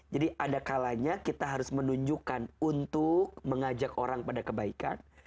ada kalanya kita harus menunjukkan untuk mengajak orang pada kebaikan